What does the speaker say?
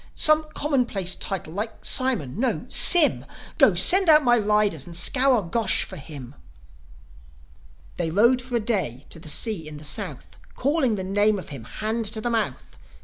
Some commonplace title, like Simon? No Sym! Go, send out my riders, and scour Gosh for him." They rode for a day to the sea in the South, Calling the name of him, hand to the mouth.